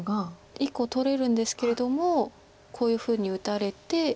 １個取れるんですけれどもこういうふうに打たれて。